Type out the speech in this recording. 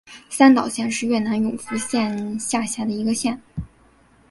三岛县是越南永福省下辖的一个县。